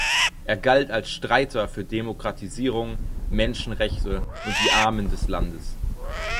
Er galt als Streiter für Demokratisierung, Menschenrechte und die Armen des Landes.